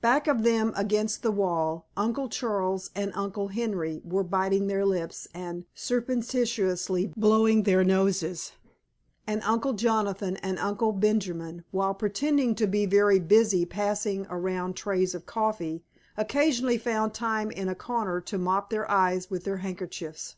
Back of them against the wall Uncle Charles and Uncle Henry were biting their lips and surreptitiously blowing their noses, and Uncle Jonathan and Uncle Benjamin, while pretending to be very busy passing around trays of coffee, occasionally found time in a corner to mop their eyes with their handkerchiefs.